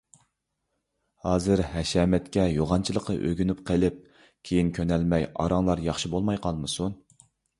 ھازىر ھەشەمەتكە، يوغانچىلىققا ئۆگىنىپ قېلىپ، كېيىن كۆنەلمەي ئاراڭلار ياخشى بولماي قالمىسۇن.